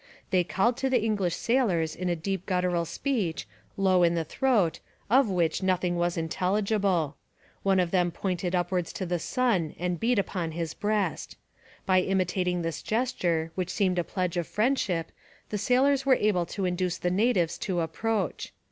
They called to the English sailors in a deep guttural speech, low in the throat, of which nothing was intelligible. One of them pointed upwards to the sun and beat upon his breast. By imitating this gesture, which seemed a pledge of friendship, the sailors were able to induce the natives to approach.